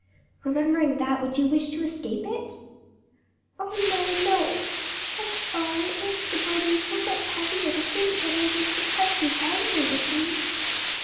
"Remembering that, would you wish to escape it?" "Oh no, no! But oh, it makes the burden so much heavier to think that it is because He is angry with me!"